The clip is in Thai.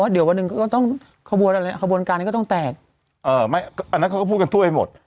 เดี๋ยววันหนึ่งก็ต้องขบวนอะไรขบวนการนี้ก็ต้องแตกอันนั้นเขาก็พูดกันทั่วไปหมด